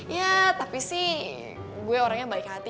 ya tapi sih gue orangnya baik hati